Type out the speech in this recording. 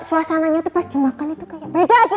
suasananya tuh pas dimakan itu kayak beda gitu kan